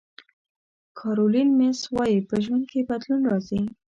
کارولین میس وایي په ژوند کې بدلون راځي.